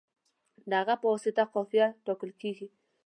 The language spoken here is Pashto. د هغه په واسطه قافیه ټاکل کیږي.